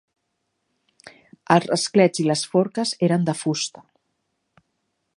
Els rasclets i les forques eren de fusta.